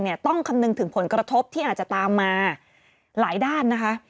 ต้องคำนึงถึงผลกระทบที่อาจจะตามมาหลายด้านนะคะ